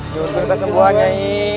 nyungun kena kesembuhan nyai